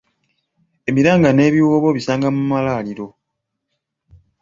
Emiranga n'ebiwoobe obisanga mu malwaliro.